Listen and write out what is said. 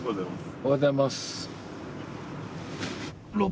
おはようございます。